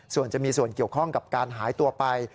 ส่วนจะมีส่วนเกี่ยวข้องกับการหายตัวไป